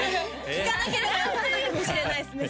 聞かなければよかったかもしれないですね